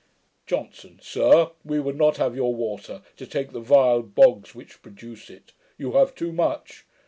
JOHNSON, 'Sir, we would not have your water, to take the vile bogs which produced it. You have too much!